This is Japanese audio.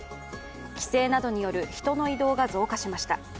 帰省などによる人の移動が増加しました。